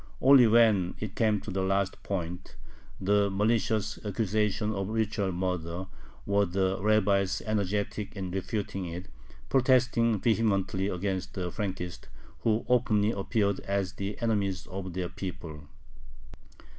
Only when it came to the last point, the malicious accusation of ritual murder, were the rabbis energetic in refuting it, protesting vehemently against the Frankists, who openly appeared as the enemies of their people.